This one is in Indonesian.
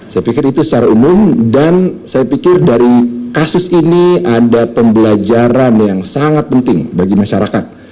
saya pikir itu secara umum dan saya pikir dari kasus ini ada pembelajaran yang sangat penting bagi masyarakat